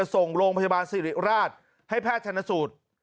ส่งโรงพยาบาลสิริราชให้แพทย์ชนสูตร